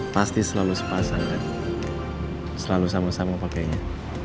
pasti selalu sepasang selalu sama sama pakainya